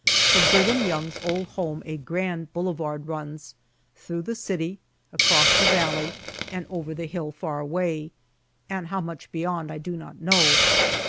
From Brigham Young's old home a grand boulevard runs, through the city, across the valley, and over the hill far away, and how much beyond I do not know.